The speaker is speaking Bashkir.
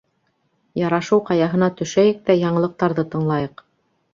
Ярашыу ҡаяһына төшәйек тә яңылыҡтарҙы тыңлайыҡ.